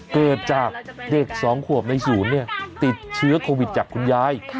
เกิดจากเด็ก๒ขวบในศูนย์ติดเชื้อโควิดจากคุณยาย